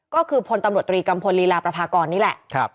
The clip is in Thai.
ก็คือพตรตรีกำพลลีลาปรภากรนี่แหละ